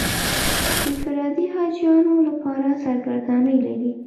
انفرادي حاجیانو لپاره سرګردانۍ لري.